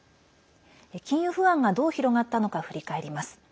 金融不安が、どう広がったのか振り返ります。